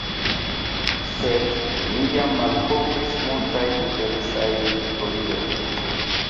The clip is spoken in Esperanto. Sed ni jam malkovris multajn interesajn historiojn.